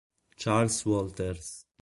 Charles Walters